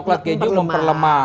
kalau coklat dan keju memperlemah